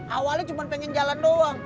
awalnya cuma pengen jalan doang